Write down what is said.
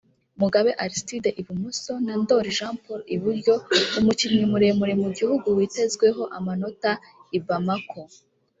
Mugabe Arstide (ibumoso) na Ndoli Jean Paul (iburyo) umukinnyi muremure mu gihugu witezweho amanota i Bamako